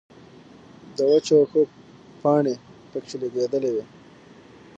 د وچو وښو پانې پکښې لګېدلې وې